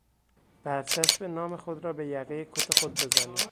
برچسب نام خود را به یقهی کت خود بزنید.